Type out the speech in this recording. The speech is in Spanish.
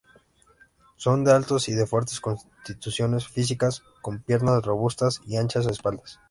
Son altos y de fuerte constitución física, con piernas robustas y anchas espaldas.